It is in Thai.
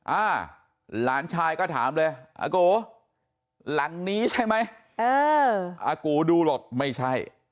อ่าหลานชายก็ถามเลยอาโกหลังนี้ใช่ไหมเอออากูดูบอกไม่ใช่